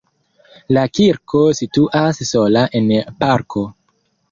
La kirko situas sola en parko.